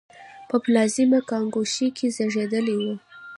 په پلازمېنه کاګوشی کې زېږېدلی و.